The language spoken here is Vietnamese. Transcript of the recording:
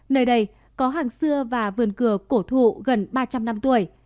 nơi đây có hàng xưa và vườn cửa cổ thụ gần ba trăm linh năm tuổi